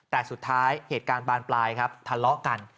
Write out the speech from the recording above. แต่สุดท้ายเหตุการณ์บานปลายครับทะเลาะกัน